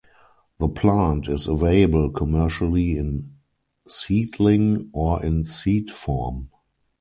The plant is available commercially in seedling or in seed form.